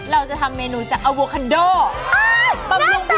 เอ้าต้องชอบ